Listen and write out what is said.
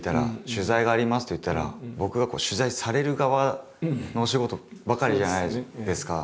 取材がありますといったら僕がこう取材される側のお仕事ばかりじゃないですか。